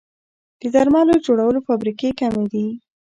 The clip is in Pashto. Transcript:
د درملو جوړولو فابریکې کمې دي